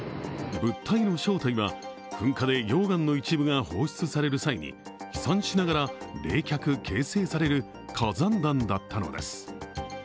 物体の正体は、噴火で溶岩の一部が放出される際に飛散しながら冷却・形成される火山弾だったのです。